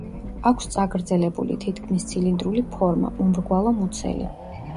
აქვს წაგრძელებული, თითქმის ცილინდრული ფორმა, მომრგვალო მუცელი.